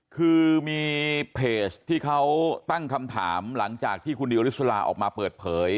คือมีเพจที่เขาตั้งคำถามหลังจากที่คุณดิวอลิสลาออกมาเปิดเผย